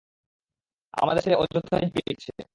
আমাদের ছেলে অযথাই ঝুঁকি নিচ্ছে।